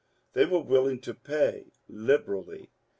They were willing to pay liberally.